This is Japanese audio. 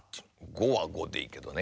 「ご」は「ご」でいいけどね。